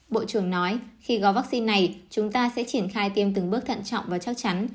bộ trưởng nói khi gói vaccine này chúng ta sẽ triển khai tiêm từng bước thận trọng và chắc chắn